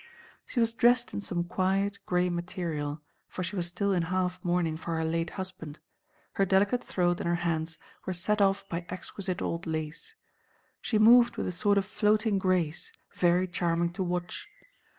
She was dressed in some quiet, grey material, for she was still in half mourning for her late husband; her delicate throat and hands were set off by exquisite old lace. She moved with a sort of floating grace, very charming to watch.